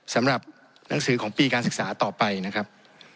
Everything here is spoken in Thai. สำหรับหนังสือของปีการศึกษาต่อไปนะครับ